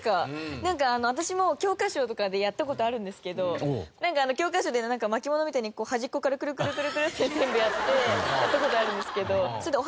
なんか私も教科書とかでやった事あるんですけどなんか教科書で巻物みたいに端っこからクルクルクルクルって全部やってやった事あるんですけど。